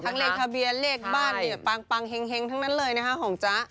จ้ะทั้งเลขทะเบียนเลขบ้านเนี่ยบางเฮ็งทั้งนั้นเลยนะคะของจ้า